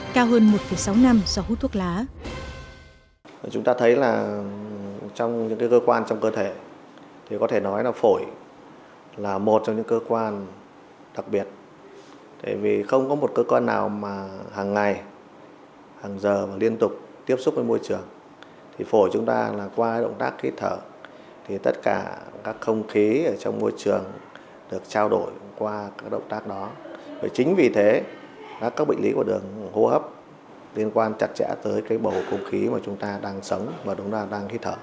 cao hơn một sáu năm do hút thuốc lá